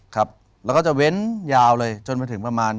ครับแล้วก็จะเว้นยาวเลยจนมาถึงประมาณ